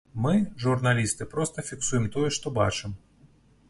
Мы, журналісты, проста фіксуем тое, што бачым.